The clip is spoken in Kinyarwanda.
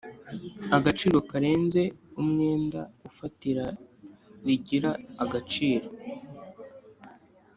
agaciro karenze umwenda ifatira rigira agaciro